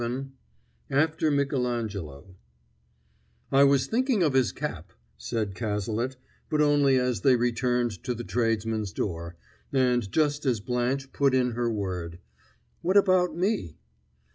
VII AFTER MICHELANGELO "I was thinking of his cap," said Cazalet, but only as they returned to the tradesmen's door, and just as Blanche put in her word, "What about me?"